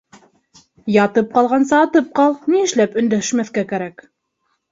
— Ятып ҡалғансы, атып ҡал, ни эшләп өндәшмәҫкә кәрәк?